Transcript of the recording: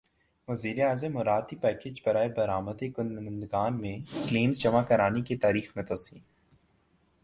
وزیر اعظم مراعاتی پیکج برائے برامد کنندگان میں کلیمز جمع کرانے کی تاریخ میں توسیع